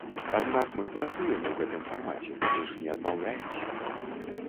Аднак мы працуем у гэтым фармаце, мы ж не адмаўляемся.